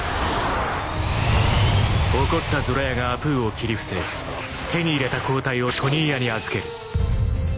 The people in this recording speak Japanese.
［怒ったゾロ屋がアプーを斬り伏せ手に入れた抗体をトニー屋に預ける］